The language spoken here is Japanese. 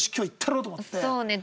そうね。